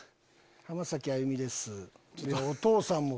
「浜崎あゆみです」。